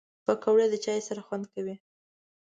پکورې د چای سره خوند کوي